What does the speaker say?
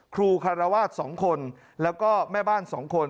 ครูคาราวาสสองคนแล้วก็แม่บ้านสองคน